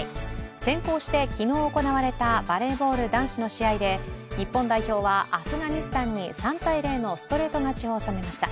先行して昨日行われたバレーボール男子の試合で日本代表はアフガニスタンに３−０のストレート勝ちをおさめました。